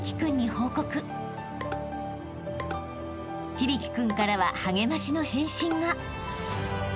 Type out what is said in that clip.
［響生君からは励ましの返信が］